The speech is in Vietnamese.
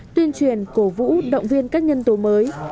tuyên truyền cổ vũ động viên các nhân tố mới